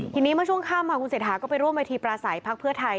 ทีนี้เมื่อช่วงค่ำคุณเสฐาก็ไปร่วมวัยทีปลาสัยพักเพื่อทาย